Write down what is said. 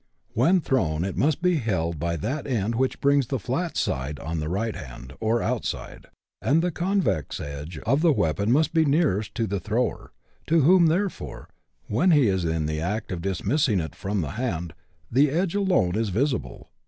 When thrown, it must be held by that end which brings the flat side on the right hand, or outside; and the convex edge of the weapon must be nearest to the thrower, to whom, therefore, when he is in the act of dismissing it from the hand, the edge alone is visible.